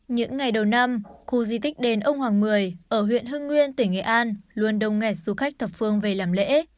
những ngày đầu năm khu di tích đền ông hoàng mười ở huyện hưng nguyên tỉnh nghệ an luôn đông nghẹt du khách thập phương về làm lễ